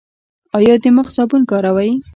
ایا د مخ صابون کاروئ؟